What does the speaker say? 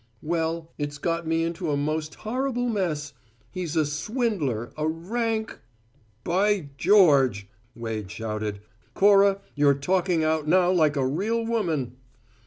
Well, it's got me into a most horrible mess. He's a swindler, a rank " "By George!" Wade shouted. "Cora, you're talking out now like a real woman."